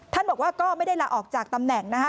ท่านบอกว่าก็ไม่ได้ลาออกจากตำแหน่งนะคะ